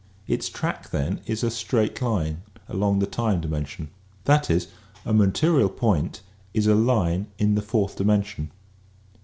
Its track then is a straight Hne along the time dimension. That is, a material point is a line in the fourth dimension.